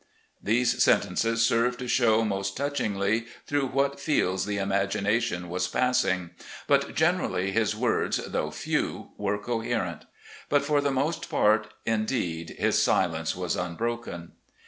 These sentences serve to show most touchingly through what fields the imagination was passing; but generally his words, though few, were coherent ; but for the most part, indeed, his silence was unbroken.